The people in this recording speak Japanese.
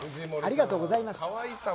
ありがとうございます。